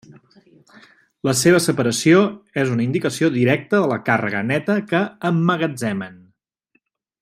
La seva separació és una indicació directa de la càrrega neta que emmagatzemen.